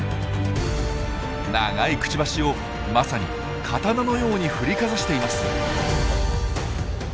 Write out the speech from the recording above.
長いクチバシをまさに刀のように振りかざしています！